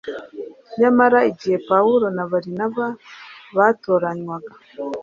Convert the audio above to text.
Nyamara igihe Pawulo na Barinaba batoranywaga,